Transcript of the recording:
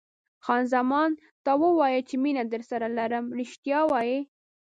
خان زمان: تا وویل چې مینه درسره لرم، رښتیا وایې؟